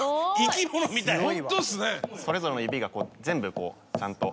・それぞれの指が全部こうちゃんと。